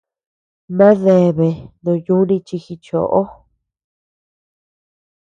Bea deabea no yuni chi jichoó.